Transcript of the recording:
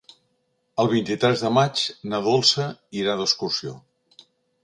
El vint-i-tres de maig na Dolça irà d'excursió.